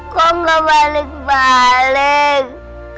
kau gak balik balik